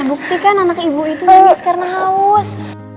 terbukti kan anak ibu itu lagi sekarang haus